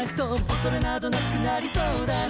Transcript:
「恐れなどなくなりそうだな」